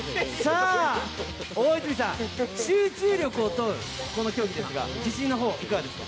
大泉さん、集中力を問うこの競技ですが、自信の方はどうですか？